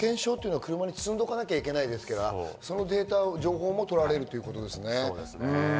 車検証は車に積んでおかなきゃいけないので、その情報も取られるということですね。